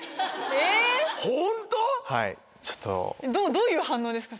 どういう反応ですか？